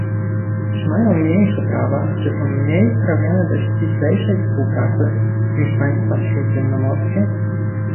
Czy mają mniejsze prawa, są mniej uprawnione do ściślejszej współpracy, niż państwa śródziemnomorskie?